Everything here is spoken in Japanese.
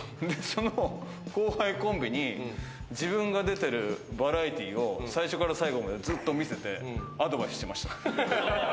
めちゃめちゃかわいがってて、その後輩コンビに自分が出てるバラエティーを最初から最後までずっと見せて、アドバイスしてました。